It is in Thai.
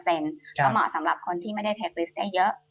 ก็เหมาะสำหรับคนที่ไม่ได้เทคริสต์ได้เยอะ